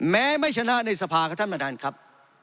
แม้ไม่ชนะในสภาครับท่านประธานครับ